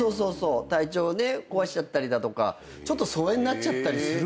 体調壊しちゃったりだとか疎遠になっちゃったりするから。